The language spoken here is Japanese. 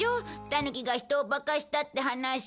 タヌキが人を化かしたって話。